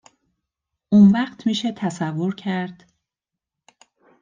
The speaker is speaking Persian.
اونوقت میشه تصور کرد